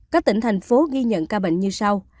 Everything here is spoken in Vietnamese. các tỉnh thành phố ghi nhận ca bệnh như sau